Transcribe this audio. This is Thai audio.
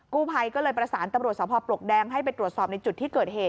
กู้ภัยก็เลยประสานตำรวจสภปลวกแดงให้ไปตรวจสอบในจุดที่เกิดเหตุ